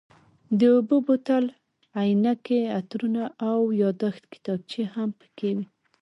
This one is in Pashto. د اوبو بوتل، عینکې، عطرونه او یادښت کتابچې هم پکې وې.